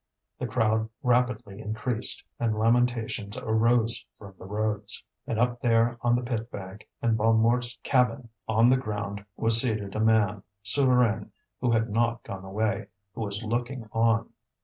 The crowd rapidly increased, and lamentations arose from the roads. And up there on the pit bank, in Bonnemort's cabin, on the ground was seated a man, Souvarine, who had not gone away, who was looking on.